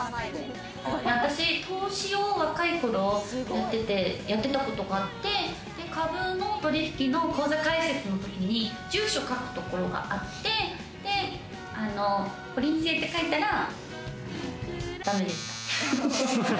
私、投資を若い頃やってて、株の取引の口座開設のときに、住所を書くところがあって、こりん星って書いたら駄目でした。